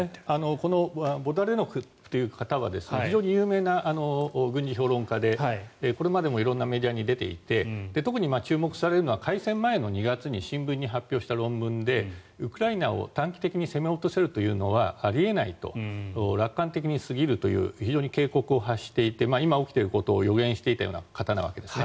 このホダレノクという方は非常に有名な軍事評論家で、これまでも色んなメディアに出ていて特に注目されるのは開戦前の２月に新聞に発表した論文でウクライナを短期的に攻め落とせるというのはあり得ないと楽観的に過ぎるという警告を発していて今起きていることを予言していたような方のわけです。